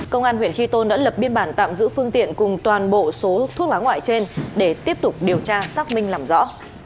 công an huyện tri tôn đã lập biên bản tạm giữ phương tiện cùng toàn bộ số thuốc lá ngoại trên để tiếp tục điều tra xác minh làm rõ